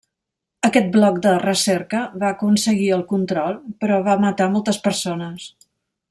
Aquest bloc de recerca va aconseguir el control però va matar moltes persones.